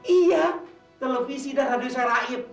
iya televisi dan radio saya raib